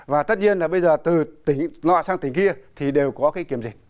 và tất nhiên là bây giờ từ tỉnh lộ sang tỉnh kia thì đều có cái kiểm dịch